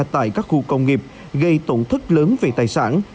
tại các khu công nghiệp gây tổn thất lớn về tài sản